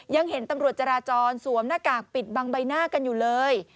ยังเห็นตำรวจจราจรสวมหน้ากากปิดบังใบหน้ากันอยู่เลย